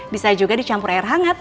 bisa juga dicampur air hangat